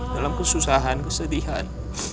dalam kesusahan kesedihan